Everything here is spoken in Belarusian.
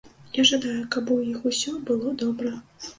Я жадаю, каб у іх усё было добра.